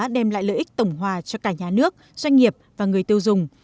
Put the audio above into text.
đem lại lợi ích tổng hòa cho cả nhà nước doanh nghiệp và người tiêu dùng